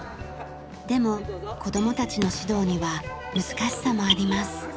でも子供たちの指導には難しさもあります。